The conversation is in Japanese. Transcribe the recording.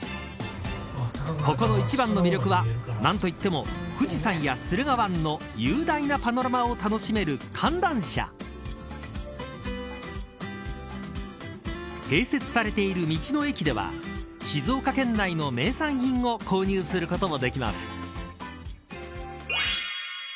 ここの一番の魅力は何といっても富士山や駿河湾の雄大なパノラマを楽しめる観覧車併設されている道の駅では静岡県内の名産品を購入することもできます。